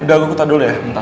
udah gue kutak dulu ya bentar